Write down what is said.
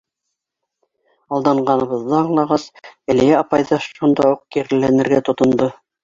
Алданғаныбыҙҙы аңлағас, Әлиә апай ҙа шунда уҡ киреләнергә тотондо: